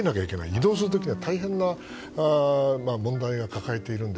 移動する時は大変な問題を抱えているので。